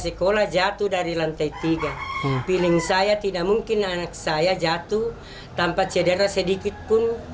sekolah jatuh dari lantai tiga piling saya tidak mungkin anak saya jatuh tanpa cedera sedikit pun